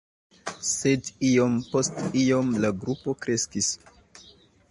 Sed iom post iom la grupo kreskis.